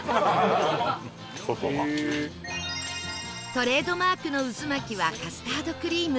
トレードマークのうずまきはカスタードクリーム